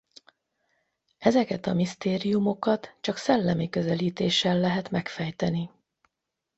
Ezeket a misztériumokat csak szellemi közelítéssel lehet megfejteni.